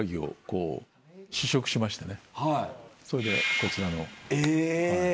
それでこちらの。